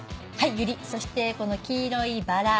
そしてこの黄色いバラ。